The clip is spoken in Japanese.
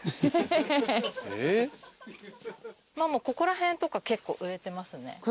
ここら辺とか結構売れてますね。